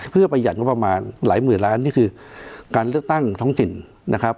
เพื่อประหยัดงบประมาณหลายหมื่นล้านนี่คือการเลือกตั้งท้องถิ่นนะครับ